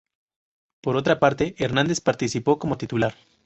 Por otra parte, Hernández participó como titular.